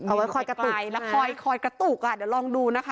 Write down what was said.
เอาไว้คอยกระตุกแล้วคอยคอยกระตุกอ่ะเดี๋ยวลองดูนะคะ